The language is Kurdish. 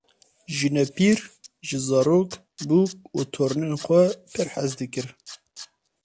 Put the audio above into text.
Jinepîr ji zarok, bûk û tornên xwe pir hez dikir.